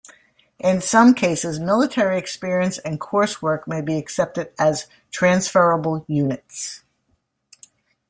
In some cases, military experience and coursework may be accepted as transferable units.